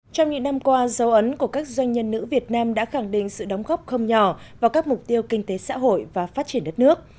trong những năm qua dấu ấn của các doanh nhân nữ việt nam đã khẳng định sự đóng góp không nhỏ vào các mục tiêu kinh tế xã hội và phát triển đất nước